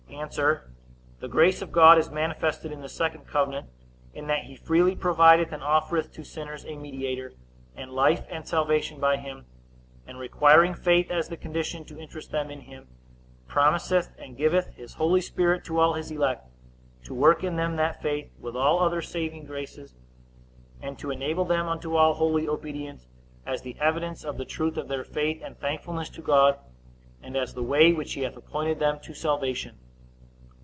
A. The grace of God is manifested in the second covenant, in that he freely provideth and offereth to sinners a mediator, and life and salvation by him; and requiring faith as the condition to interest them in him, promiseth and giveth his Holy Spirit to all his elect, to work in them that faith, with all other saving graces; and to enable them unto all holy obedience, as the evidence of the truth of their faith and thankfulness to God, and as the way which he hath appointed them to salvation.